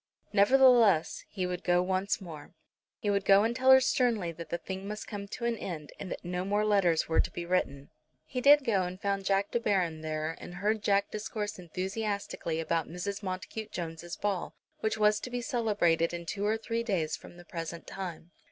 Nevertheless, he would go once more. He would go and tell her sternly that the thing must come to an end, and that no more letters were to be written. He did go and found Jack De Baron there, and heard Jack discourse enthusiastically about Mrs. Montacute Jones's ball, which was to be celebrated in two or three days from the present time.